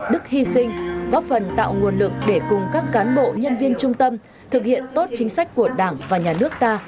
đức hy sinh góp phần tạo nguồn lực để cùng các cán bộ nhân viên trung tâm thực hiện tốt chính sách của đảng và nhà nước ta